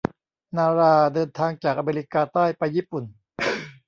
นาราเดินทางจากอเมริกาใต้ไปญี่ปุ่น